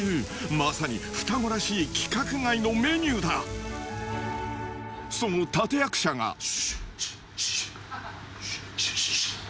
まさにふたごらしい規格外のメニューだその立役者がシュッシュッシュシュ。